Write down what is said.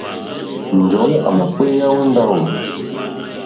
Njɔ̀ɔ́ àmà kpééyá ó ndáwù.